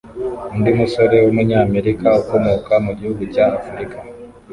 Undi musore w’umunyamerika ukomoka mu gihugu cya Afurika